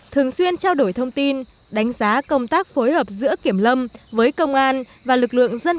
thường xuyên trao đổi thông tin đánh giá công tác phối hợp giữa kiểm lâm với công an và lực lượng dân